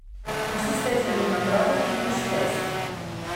Consisteix en una prova tipus test.